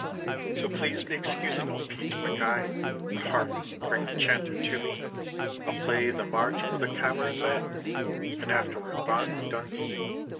"So please be excusing old Pete MacKay But hark! bring the chanter to me, I'll play the 'March o' the Cameron Men,' And afterward 'Bonnie Dundee.'"